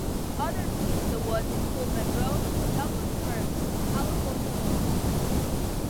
Other trees in the woods include madrone, Douglas fir, and California laurel.